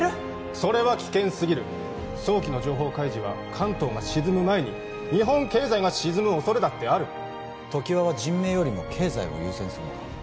それは危険すぎる早期の情報開示は関東が沈む前に日本経済が沈むおそれだってある常盤は人命よりも経済を優先するのか？